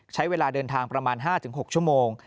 ใช้เวลาเดินทางประมาณ๕๖ชั่วโมง